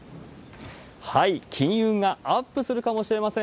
金運がアップするかもしれません。